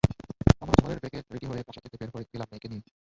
আমি ঝড়ের বেগে রেডি হয়ে বাসা থেকে বের হয়ে গেলাম মেয়েকে নিয়ে।